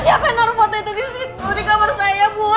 jangan diganggu jess kalau lagi kayak gitu